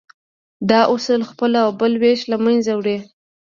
دا اصول خپل او بل وېش له منځه وړي.